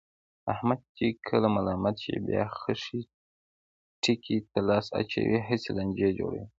احمد چې کله ملامت شي، بیا خښې تیګې ته لاس اچوي، هسې لانجې جوړوي.